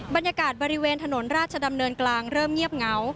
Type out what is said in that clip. บรรยากาศบริเวณถนนราชดำเนินกลางเริ่มเงียบเหงา